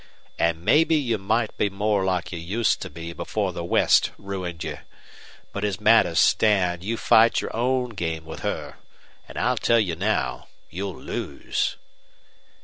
And maybe you might be more like you used to be before the West ruined you. But as matters stand, you fight your own game with her. And I'll tell you now you'll lose."